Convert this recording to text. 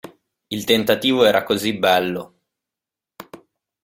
Il tentativo era così bello.